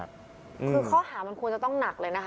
คือข้อหามันควรจะต้องหนักเลยนะคะ